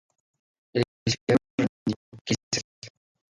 El licenciado respondió: "Quizás".